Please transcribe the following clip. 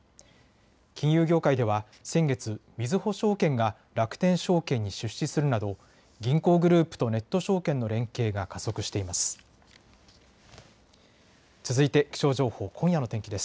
金融業界では先月、みずほ証券が楽天証券に出資するなど銀行グループとネット証券の連携が加速しています。